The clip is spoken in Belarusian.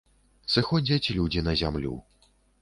Сыходзяць людзі на зямлю.